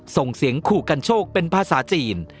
ส่งเสียงขู่กันโชคเป็นภาษาจีน